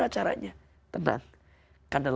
air kemaster berdaulat